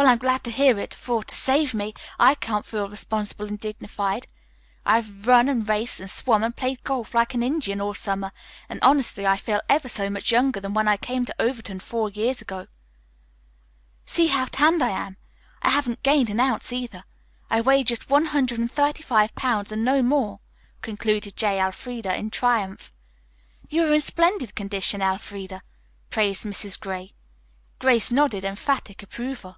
"Well, I'm glad to hear it, for, to save me, I can't feel responsible and dignified. I've run and raced and swum and played golf like an Indian all summer, and honestly I feel ever so much younger than when I came to Overton four years ago. See how tanned I am? I haven't gained an ounce either. I weigh just one hundred and thirty five pounds and no more," concluded J. Elfreda in triumph. "You are in splendid condition, Elfreda," praised Mrs. Gray. Grace nodded emphatic approval.